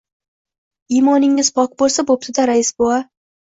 — Imoningiz pok bo‘lsa bo‘pti-da, rais bova.